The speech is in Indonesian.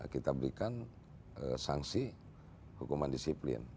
kita berikan sanksi hukuman disiplin